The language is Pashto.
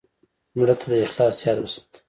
مړه ته د اخلاص یاد وساته